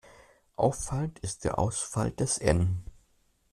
Auffallend ist der Ausfall des "n".